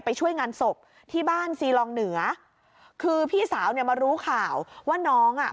ไปช่วยงานศพที่บ้านซีลองเหนือคือพี่สาวเนี่ยมารู้ข่าวว่าน้องอ่ะ